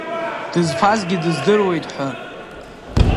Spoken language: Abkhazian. Дызфазгьы дыздыруеит ҳәа.